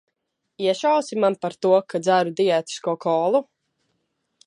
Iešausi man par to, ka dzeru diētisko kolu?